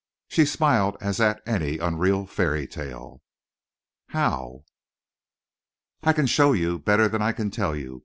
She smiled as at any unreal fairy tale. "How?" "I can show you better than I can tell you!